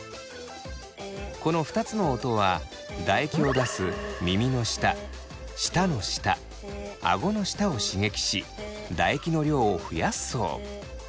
この２つの音は唾液を出す耳の下舌の下あごの下を刺激し唾液の量を増やすそう。